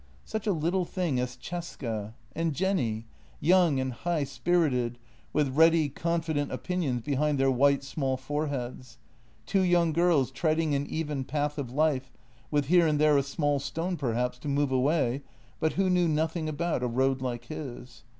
Such a little thing as Cesca — and Jenny — young and high spirited, with ready, confident opinions behind their white, small foreheads. Two young girls treading an even path of life, with here and there a small stone perhaps to move away, but who knew nothing about a road like his.